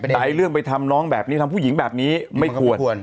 แต่เรื่องไปทำน้องแบบนี้ทำผู้หญิงแบบนี้ไม่ควร